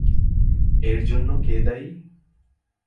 এর জন্যে কে দায়ী।